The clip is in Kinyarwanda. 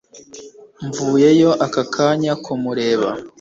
mvuyeyo aka kanya kumureba